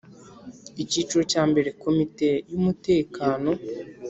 Icyiciro cya mbere Komite y Umutekano